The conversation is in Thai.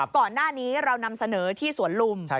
ก่อนหน้านี้เรานำเสนอที่สวนลุม